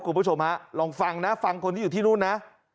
คุณผู้ชมฮะลองฟังนะฟังคนที่อยู่ที่นู่นนะ